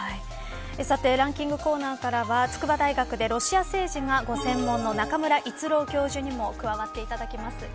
さてランキングコーナーからは筑波大学でロシア政治がご専門の中村逸郎教授にも加わっていただきます。